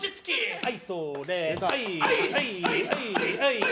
はい！